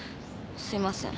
すいません。